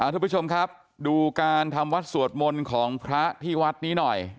ทุกผู้ชมครับดูการทำวัดสวดมนต์ของพระที่วัดนี้หน่อย